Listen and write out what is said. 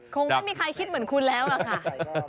คงไม่มีใครคิดเหมือนคุณแล้วล่ะค่ะ